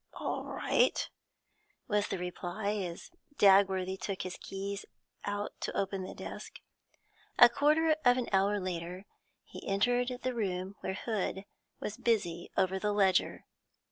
'All right,' was the reply, as Dagworthy took his keys out to open his desk. A quarter of an hour later, he entered the room where Hood was busy over the ledger.